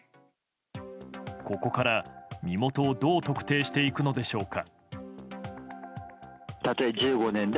ここから身元をどう特定していくのでしょうか。